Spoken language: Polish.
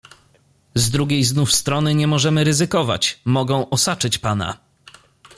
"Z drugiej znów strony nie możemy ryzykować - mogą osaczyć pana."